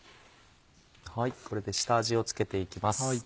これで下味を付けていきます。